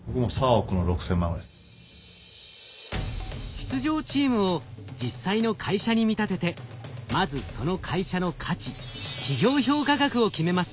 出場チームを実際の会社に見立ててまずその会社の価値企業評価額を決めます。